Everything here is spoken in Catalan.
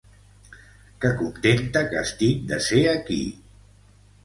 Que contenta que estic de ser aquí!